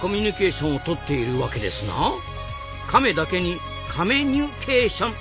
カメだけにカメニュケーション。